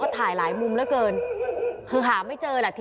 ถึงหาวแหละ